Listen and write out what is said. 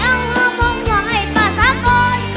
เอาหัวพร้อมหัวให้ป่าสาโกน